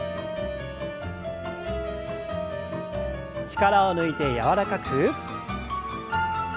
力を抜いて柔らかく。